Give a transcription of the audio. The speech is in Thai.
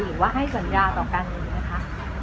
หรือว่าให้สัญญาต่อกันอย่างเงี้ยคะ